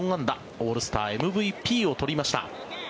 オールスターＭＶＰを取りました。